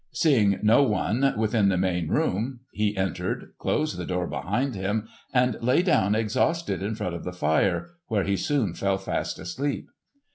Seeing no one within the main room he entered, closed the door behind him, and lay down exhausted in front of the fire, where he soon fell fast asleep.